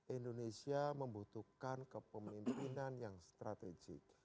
indonesia membutuhkan kepemimpinan yang strategik